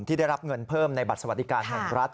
ที่ได้รับเงินเพิ่มในบัตรสวัสดิการแห่งรัฐ